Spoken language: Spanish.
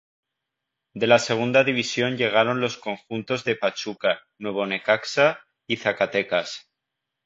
De la Segunda División llegaron los conjuntos de Pachuca, Nuevo Necaxa y Zacatecas.